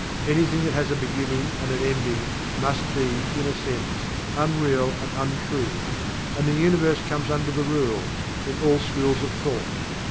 Anything that has a beginning and an ending must be, in a sense, unreal and untrue, and the Universe comes under the rule, in all schools of thought.